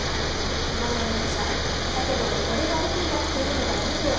今村容疑者、だけど俺がルフィだって言うのはやめてよ